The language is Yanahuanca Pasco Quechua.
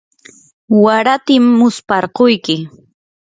waratim musparquyki.